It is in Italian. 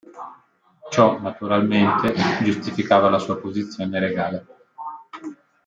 Ciò, naturalmente, giustificava la sua posizione regale.